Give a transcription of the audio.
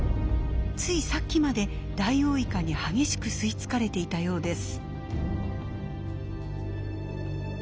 ついさっきまでダイオウイカに激しく吸い付かれていたようです。